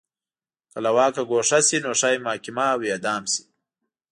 که له واکه ګوښه شي نو ښايي محاکمه او اعدام شي.